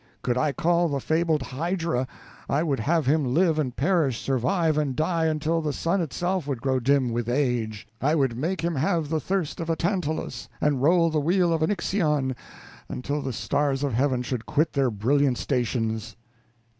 Could I call the fabled Hydra, I would have him live and perish, survive and die, until the sun itself would grow dim with age. I would make him have the thirst of a Tantalus, and roll the wheel of an Ixion, until the stars of heaven should quit their brilliant stations.